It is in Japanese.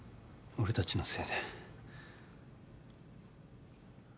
俺たちのせいで。